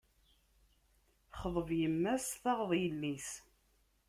Xḍeb yemma-s, taɣeḍ yelli-s.